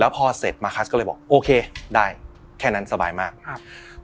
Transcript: พอเสร็จมาคัสก็เลยบอกโอเคได้แค่นั้นสบายมากครับ